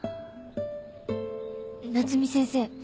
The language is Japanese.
夏海先生